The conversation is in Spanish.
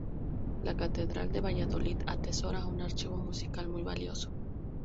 La Catedral de Valladolid atesora un archivo musical muy valioso.